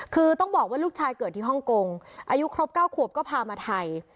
คือต้องบอกว่าลูกชายเกิดที่ฮ่องกงอายุครบ๙ขวบก็พามาไทย